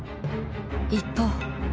一方。